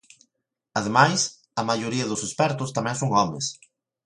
Ademais, a maioría dos expertos tamén son homes.